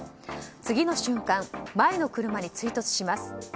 次の瞬間、前の車に追突します。